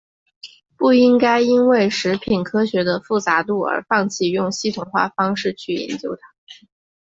不应该因为食品科学的复杂度而放弃用系统化方式去研究它。